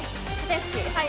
はい！